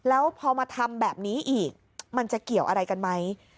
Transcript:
แล้วพอมาทำแบบนี้อีกมันจะเกี่ยวอะไรกันไหม